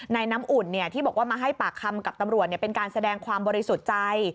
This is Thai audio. น้ำอุ่นที่บอกว่ามาให้ปากคำกับตำรวจเป็นการแสดงความบริสุทธิ์ใจ